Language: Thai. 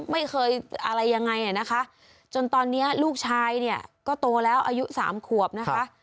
ไม่เคยอะไรยังไงอ่ะนะคะจนตอนนี้ลูกชายเนี่ยก็โตแล้วอายุสามขวบนะคะ